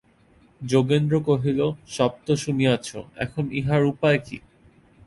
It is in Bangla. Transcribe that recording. যোগেন্দ্র কহিল, সব তো শুনিয়াছ, এখন ইহার উপায় কী?